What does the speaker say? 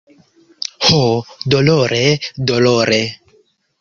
Ho, dolore, dolore!